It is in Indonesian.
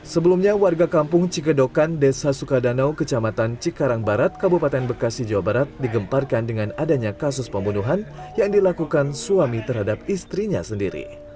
sebelumnya warga kampung cikedokan desa sukadanau kecamatan cikarang barat kabupaten bekasi jawa barat digemparkan dengan adanya kasus pembunuhan yang dilakukan suami terhadap istrinya sendiri